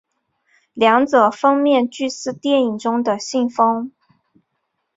两者封面俱似电影中的信封。